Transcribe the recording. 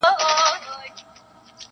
سپرلی ټینکه وعده وکړي چي را ځمه,